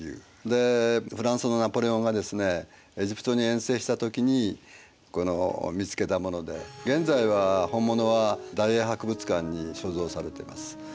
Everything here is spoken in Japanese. でフランスのナポレオンがですねエジプトに遠征した時にこの見つけたもので現在は本物は大英博物館に所蔵されてます。